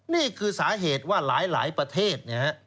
นี่คือสาเหตุว่าหลายประเทศนะฮะ